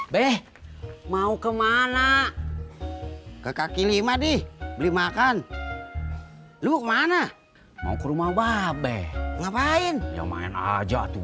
be mau kemana ke kk lima di beli makan lu mana mau ke rumah wabah ngapain yang main aja tuh